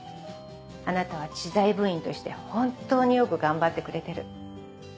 あなたは知財部員として本当によく頑張ってくれてる。